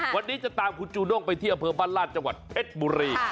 วันนี้จะตามคุณธูนุ่งไปเที่ยงภิลบันราชจังหวัดเทพธมุรี